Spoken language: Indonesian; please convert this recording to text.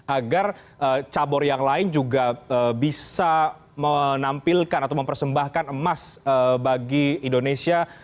agar cabur yang lain juga bisa menampilkan atau mempersembahkan emas bagi indonesia